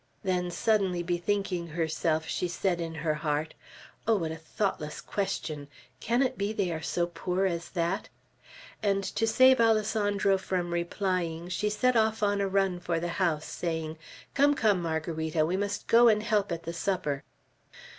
Then suddenly bethinking herself, she said in her heart, "Oh, what a thoughtless question! Can it be they are so poor as that?" And to save Alessandro from replying, she set off on a run for the house, saying, "Come, come, Margarita, we must go and help at the supper."